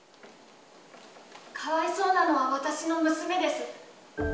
かわいそうなのは私の娘です。